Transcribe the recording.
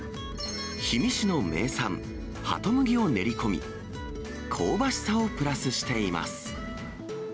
氷見市の名産、ハトムギを練り込み、香ばしさをプラスしています。